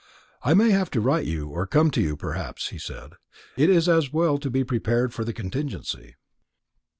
"I may have to write to you, or to come to you, perhaps," he said. "It's as well to be prepared for the contingency."